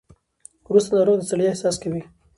وروسته ناروغ د ستړیا احساس کوي.